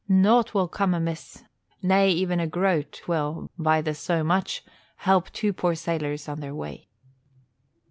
Nought will come amiss nay, even a groat will, by the so much, help two poor sailors on their way."